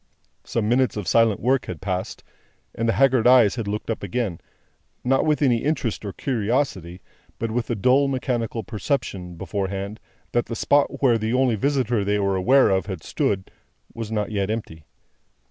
Some minutes of silent work had passed: and the haggard eyes had looked up again: not with any interest or curiosity, but with a dull mechanical perception, beforehand, that the spot where the only visitor they were aware of had stood, was not yet empty.